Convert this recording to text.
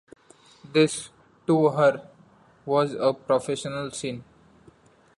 This, to her, was a professional sin.